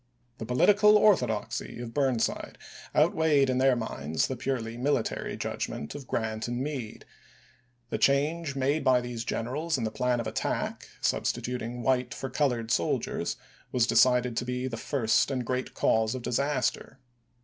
The political orthodoxy of Burnside outweighed in their minds the purely military judgment of Grant and Meade ; the change made by these generals in the plan of attack, substituting white for colored soldiers, was decided to be "the first and great cause of disaster."